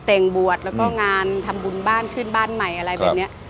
แต่งบวชแล้วก็งานทำบุญบ้านขึ้นบ้านใหม่อะไรแบบนี้